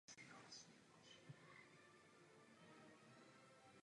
S tím se také mění rozměr Henryho konstanty.